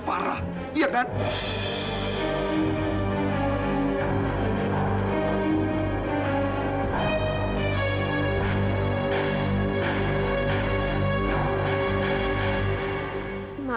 keluar kau jatuh merinding sama batu